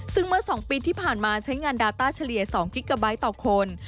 ซึ่งเมื่อ๒ปีที่ผ่านมาใช้งานดาต้าเฉลี่ย๒กิกาไบท์ต่อคน